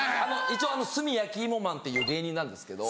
一応スミやきいもまんっていう芸人なんですけど。